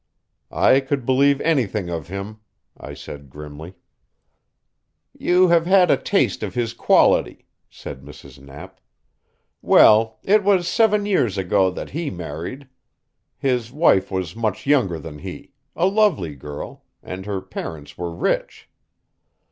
"I could believe anything of him," I said grimly. "You have had a taste of his quality," said Mrs. Knapp. "Well, it was seven years ago that he married. His wife was much younger than he, a lovely girl, and her parents were rich.